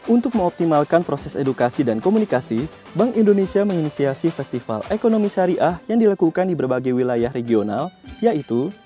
untuk mengoptimalkan proses edukasi dan komunikasi bank indonesia menginisiasi festival ekonomi syariah yang dilakukan di berbagai wilayah regional yaitu